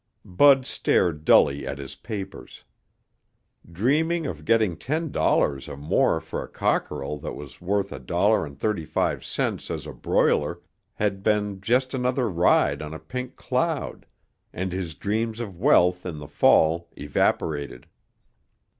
Bud stared dully at his papers. Dreaming of getting ten dollars or more for a cockerel that was worth a dollar and thirty five cents as a broiler had been just another ride on a pink cloud, and his dreams of wealth in the fall evaporated.